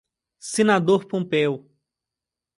Senador Pompeu